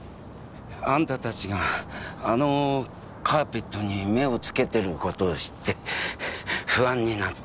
あんたたちがあのカーペットに目を付けてることを知って不安になって。